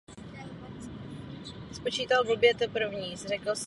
Jedná se o druhou postavenou jednotku této třídy.